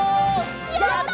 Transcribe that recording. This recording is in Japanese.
やった！